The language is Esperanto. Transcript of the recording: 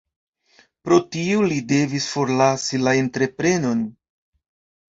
Pro tio li devis forlasi la entreprenon.